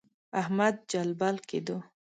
احمد جلبل کېدو.